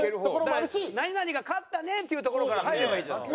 だから何々が勝ったねっていうところから入ればいいじゃん。